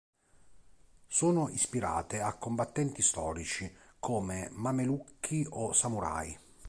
Sono ispirate a combattenti storici, come mamelucchi o samurai.